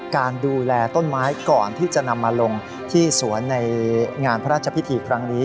การดูแลต้นไม้ก่อนที่จะนำมาลงที่สวนในงานพระราชพิธีครั้งนี้